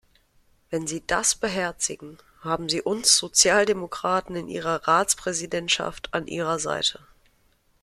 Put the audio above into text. Wenn Sie das beherzigen, haben Sie uns Sozialdemokraten in Ihrer Ratspräsidentschaft an Ihrer Seite.